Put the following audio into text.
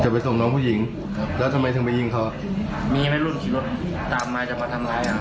ไปส่งน้องผู้หญิงครับแล้วทำไมถึงไปยิงเขามีไหมรุ่นขี่รถตามมาจะมาทำร้ายอ่ะ